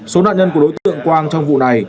số nạn nhân của đối tượng quang trong vụ này